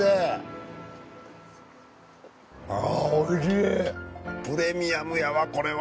◆おいしいプレミアムやわこれは。